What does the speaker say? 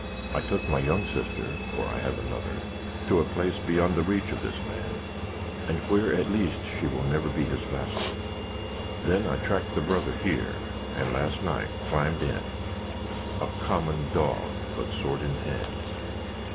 I took my young sister (for I have another) to a place beyond the reach of this man, and where, at least, she will never be his vassal. Then, I tracked the brother here, and last night climbed in a common dog, but sword in hand.